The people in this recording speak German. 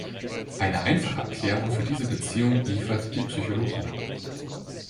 Eine einfache Erklärung für diese Beziehung liefert die Psychologie.